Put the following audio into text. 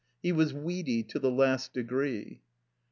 He was weedy to the last degree.